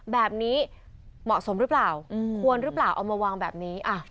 แบบนี้เหมาะสมหรือเปล่าควรหรือเปล่าเอามาวางแบบนี้